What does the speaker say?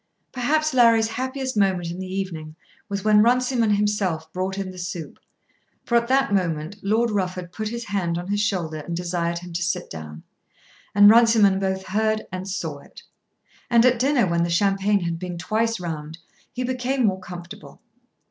Perhaps Larry's happiest moment in the evening was when Runciman himself brought in the soup, for at that moment Lord Rufford put his hand on his shoulder and desired him to sit down, and Runciman both heard and saw it. And at dinner, when the champagne had been twice round, he became more comfortable.